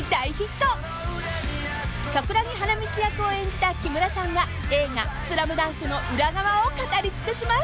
［桜木花道役を演じた木村さんが映画『ＳＬＡＭＤＵＮＫ』の裏側を語り尽くします］